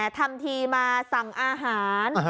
ทำทีมาสั่งอาหาร